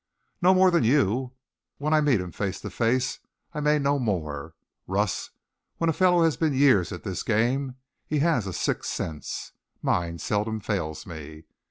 "No more than you. When I meet him face to face I may know more. Russ, when a fellow has been years at this game he has a sixth sense. Mine seldom fails me.